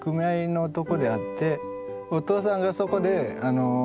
お父さんがそこであら！